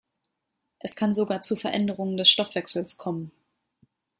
Es kann sogar zu Veränderungen des Stoffwechsels kommen.